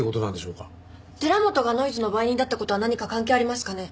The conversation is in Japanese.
寺本がノイズの売人だった事は何か関係ありますかね？